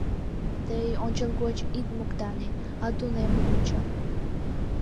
— Тый ончылгоч ит моктане, а тунемын ончо.